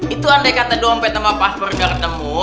itu andai kata dompet sama paspor ketemu